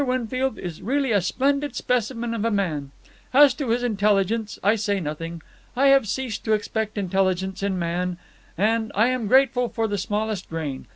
Winfield is really a splendid specimen of a man. As to his intelligence, I say nothing. I have ceased to expect intelligence in man, and I am grateful for the smallest grain.